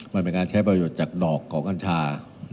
มันเป็นการใช้ประโยชน์จากดอกของกัญชา